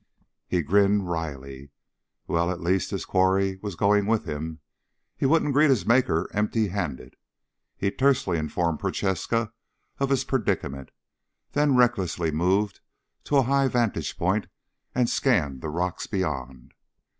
He grinned wryly. Well, at least his quarry was going with him. He wouldn't greet his Maker empty handed. He tersely informed Prochaska of his predicament, then recklessly moved to a high vantage point and scanned the rocks beyond.